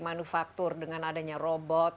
manufaktur dengan adanya robot